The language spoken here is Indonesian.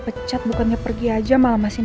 mendingan gue cari jalan lain